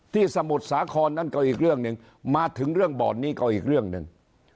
สมุทรสาครนั่นก็อีกเรื่องหนึ่งมาถึงเรื่องบ่อนนี้ก็อีกเรื่องหนึ่ง